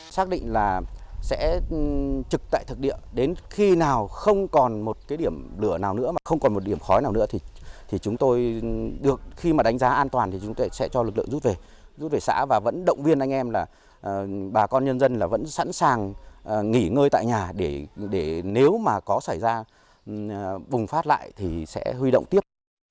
xác định là sẽ trực tại thực địa đến khi nào không còn một cái điểm lửa nào nữa không còn một điểm khói nào nữa thì chúng tôi được khi mà đánh giá an toàn thì chúng tôi sẽ cho lực lượng rút về rút về xã và vẫn động viên anh em là bà con nhân dân là vẫn sẵn sàng nghỉ ngơi tại nhà để nếu mà có xảy ra bùng phát lại thì sẽ huy động tiếp